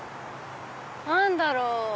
何だろう？